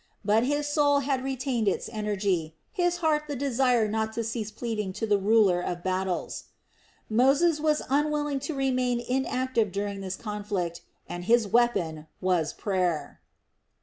But his soul had retained its energy, his heart the desire not to cease pleading to the Ruler of Battles. Moses was unwilling to remain inactive during this conflict and his weapon was prayer.